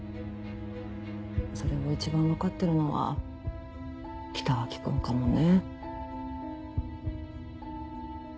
それを一番分かってるのは北脇君かもね。